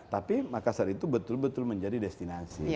tapi makassar itu betul betul menjadi destinasi